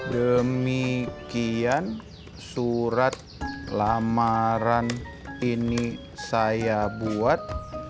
demikian surat lamaran ini saya buat